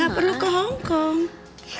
gak perlu ke hongkong